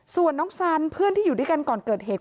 ส่วนน้องสันเพื่อนที่อยู่ด้วยกันก่อนเกิดเหตุ